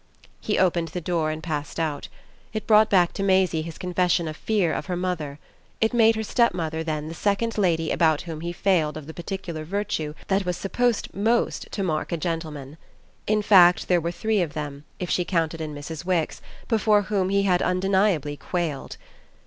He opened the door and passed out. It brought back to Maisie his confession of fear of her mother; it made her stepmother then the second lady about whom he failed of the particular virtue that was supposed most to mark a gentleman. In fact there were three of them, if she counted in Mrs. Wix, before whom he had undeniably quailed.